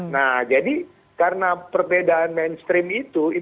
nah jadi karena perbedaan mainstream itu